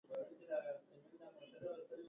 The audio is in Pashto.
زه د سندرې تمرین کوم.